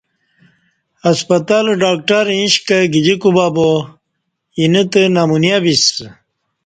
ہسپتال ڈاکٹر ایش کہ گجی کوبہ با اینہ تہ نمونیہ بسہ